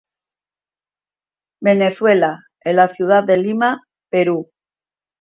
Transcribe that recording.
Venezuela, en la ciudad de Lima, Perú.